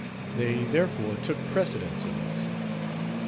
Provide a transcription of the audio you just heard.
They therefore took precedence of us.